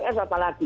sudah bts apa lagi